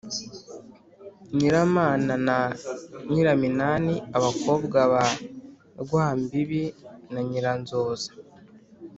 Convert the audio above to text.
nyiramana na nyiraminani, abakobwa ba rwambibi na nyiranzoza